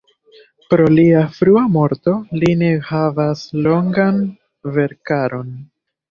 Pro lia frua morto li ne havas longan verkaron.